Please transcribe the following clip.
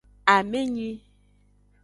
Amenyi.